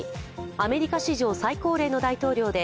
アメリカ史上最高齢の大統領で、